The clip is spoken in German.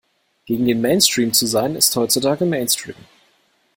Gegen den Mainstream zu sein, ist heutzutage Mainstream.